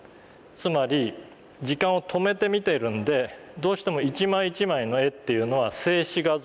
つまり時間を止めて見てるんでどうしても一枚一枚の絵っていうのは静止画像になってしまうわけです。